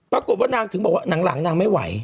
ปรากฏว่านางถึงบอกว่าหลังนางไม่ไหว